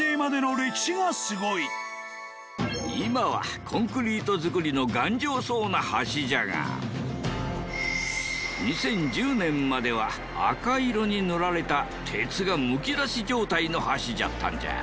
今はコンクリート造りの頑丈そうな橋じゃが２０１０年までは赤色に塗られた鉄がむき出し状態の橋じゃったんじゃ。